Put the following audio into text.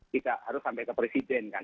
tidak harus sampai ke presiden kan